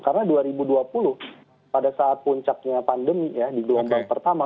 karena dua ribu dua puluh pada saat puncaknya pandemi ya di gelombang pertama